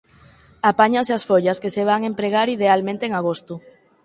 Apáñanse as follas que se van empregar idealmente en agosto.